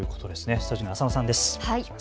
スタジオには浅野さんです。